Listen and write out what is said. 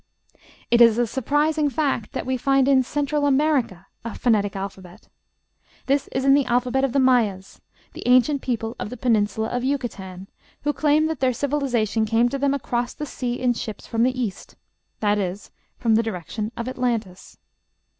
It is a surprising fact that we find in Central America a phonetic alphabet. This is in the alphabet of the Mayas, the ancient people of the peninsula of Yucatan, who claim that their civilization came to them across the sea in ships from the east, that is, from the direction of Atlantis.